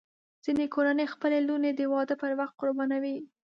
ځینې کورنۍ خپلې لوڼې د واده پر وخت قربانوي.